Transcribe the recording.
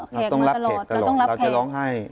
เราต้องรับแขกตลอดเราจะร้องไห้